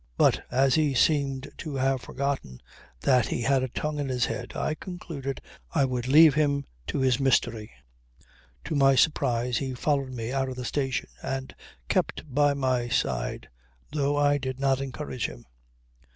But as he seemed to have forgotten that he had a tongue in his head I concluded I would leave him to his mystery. To my surprise he followed me out of the station and kept by my side, though I did not encourage him.